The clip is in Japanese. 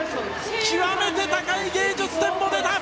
極めて高い芸術点も出た！